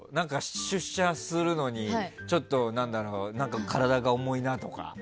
出社するのにちょっと体が重いなとか。